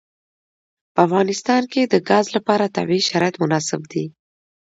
په افغانستان کې د ګاز لپاره طبیعي شرایط مناسب دي.